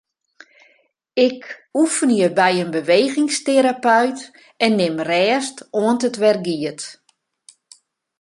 Ik oefenje by in bewegingsterapeut en nim rêst oant it wer giet.